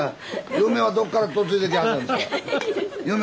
嫁はどっから嫁いできはったの？